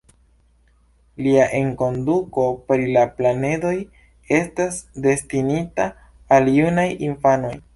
Lia enkonduko pri la planedoj estas destinita al junaj infanoj.